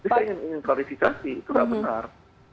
saya ingin klarifikasi itu tidak benar